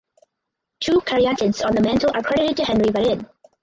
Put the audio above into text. Two caryatids on the mantel are credited to Henri Varenne.